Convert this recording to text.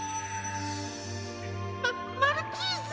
ママルチーズ！